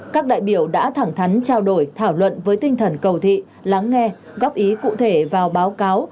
các đại biểu đã thẳng thắn trao đổi thảo luận với tinh thần cầu thị lắng nghe góp ý cụ thể vào báo cáo